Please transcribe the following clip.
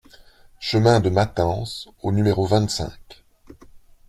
Chemin de Matens au numéro vingt-cinq